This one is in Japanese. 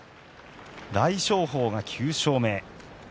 大翔鵬が９勝目。